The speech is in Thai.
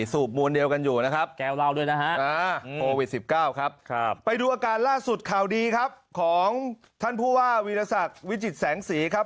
สุดข่าวดีครับของท่านผู้ว่าวิรักษณ์วิจิตรแสงสีครับ